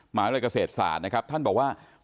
หมายว่ากับสเศษศาสตร์ท่านบอกว่า